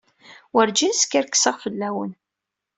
Werǧin skerkseɣ fell-awen.